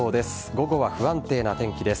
午後は不安定な天気です。